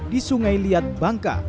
di sungai liat bangka